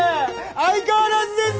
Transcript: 相変わらずです！